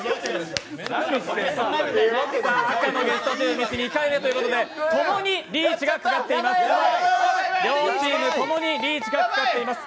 赤のゲストチーム、２回目ということで両チームともにリーチがかかっています。